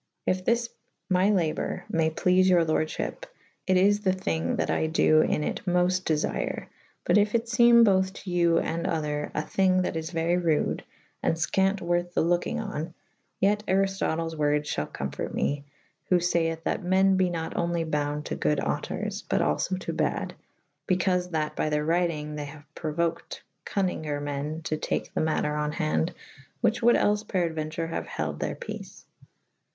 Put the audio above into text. If this my labour [F ivb] may pleaie your lordfhyp / it is the thynge that I do in it mofte defyre / but yf it feme bothe to you & other a thyng that is very rude and f kant worthe the lokynge on : yet Aristotles wordes fhal cowfort [me / who fayeth that men be nat onlye bounde to good autours': but alfo to bad / bicaufe that by their wrytyng they haue prouoked cu«nynger me« to take the mater on hande / which wolde els peraduenture haue helde theyr peace.